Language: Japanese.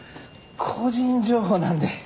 個人情報なんで。